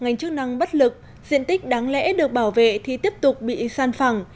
ngành chức năng bất lực diện tích đáng lẽ được bảo vệ thì tiếp tục bị san phẳng